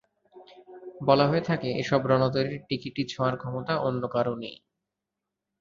বলা হয়ে থাকে, এসব রণতরির টিকিটি ছোঁয়ার ক্ষমতা অন্য কারও নেই।